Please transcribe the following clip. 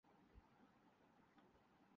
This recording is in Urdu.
فیروئیز